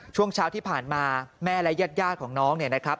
ช่วงเช้าที่ผ่านมาแม่และญาติของน้องเนี่ยนะครับ